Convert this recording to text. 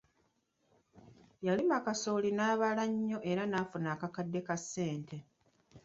Yalima kasooli n'abala nnyo era yafunamu akakadde ka ssente.